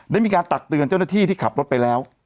ได้มีการตักเตือนเจ้าหน้าที่ที่ขับรถไปแล้ว